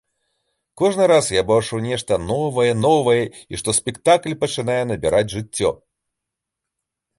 Кожны раз я бачу нешта новае, новае і што спектакль пачынае набіраць жыццё.